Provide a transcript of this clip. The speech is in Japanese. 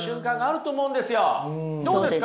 どうですか？